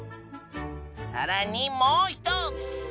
さらにもう一つ！